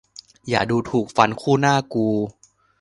อย่าดูถูกฟันคู่หน้ากู !